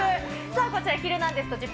こちら、ヒルナンデス！とＺＩＰ！